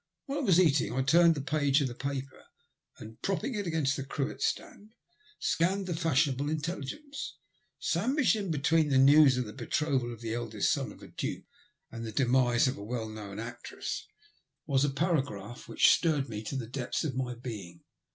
While I was eating I turned the page of the paper, and propping it against the cruet stand, scanned the fashionable intelligence. Sandwiched in between the news of the betrothal of the eldest son of a duke, and the demise of a well known actress, was a paragraph which stirred me to the depths of my being.